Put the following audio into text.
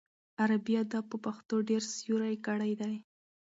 عربي ادب په پښتو ډېر سیوری کړی دی.